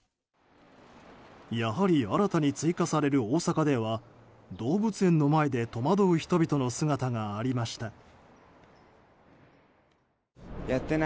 やはり新たに追加される大阪では動物園の前で戸惑う人々の姿がありました。